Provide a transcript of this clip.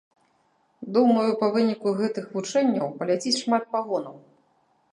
Думаю, па выніку гэтых вучэнняў паляціць шмат пагонаў.